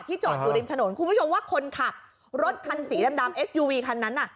ที่เจาะอยู่ริมถนนผมว่าคนขับรถคันสีดำดำเอสยูวีคันนะ